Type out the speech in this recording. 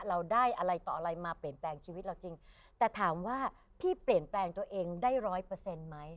เราได้อะไรต่ออะไรมาเปลี่ยนแปลงชีวิตเราจริงแต่ถามว่าพี่เปลี่ยนแปลงตัวเองได้ร้อยเปอร์เซ็นต์ไหม